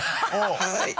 はい。